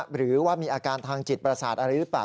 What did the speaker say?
หรือว่ามีอาการทางจิตประสาทอะไรหรือเปล่า